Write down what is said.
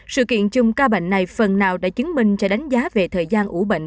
sự kiện chung ca bệnh này phần nào đã chứng minh cho đánh giá về thời gian ủ bệnh